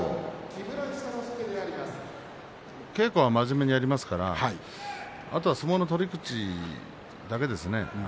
稽古は真面目にやりますからあとは相撲の取り口だけですね。